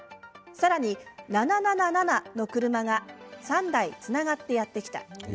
さらに７７７の車が３台つながってやって来た。